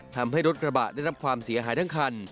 ทำให้รถกระบะได้รับความเสียหายทั้งคัน